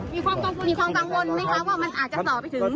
มีความกังวลมีความกังวลมันอาจจะต่อไปถึง